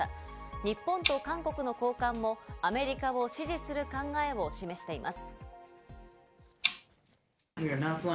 日本と韓国の高官もアメリカを支持する考えを示しています。